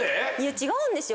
違うんですよ。